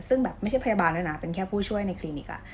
ซึ่งแบบไม่ใช่พยาบาลด้วยนะเป็นแค่ผู้ช่วยในคลินิก